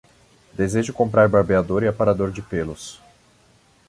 Desejo comprar barbeador e aparador de pelos